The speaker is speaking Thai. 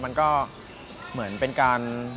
มันก็เหมือนเป็นการ